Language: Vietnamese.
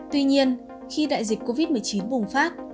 tuy nhiên khi đại dịch covid một mươi chín bùng phát